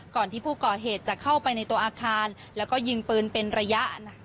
ก่อนที่ผู้ก่อเหตุจะเข้าไปในตัวอาคารแล้วก็ยิงปืนเป็นระยะ